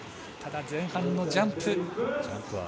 ただ、前半のジャンプ。